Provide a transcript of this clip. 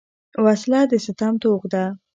وسله د ستم توغ ده